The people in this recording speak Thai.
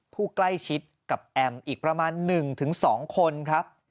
ผู้ใกล้ชิดกับแอมอีกประมาณ๑๒คนครับ